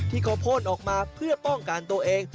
ที่เขาพ่นออกมาเพื่อป้องกันตัวเอง